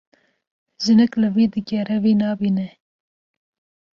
Jinik li wî digere wî nabîne.